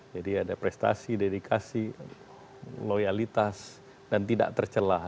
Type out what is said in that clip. jadi ada prestasi dedikasi loyalitas dan tidak tercelah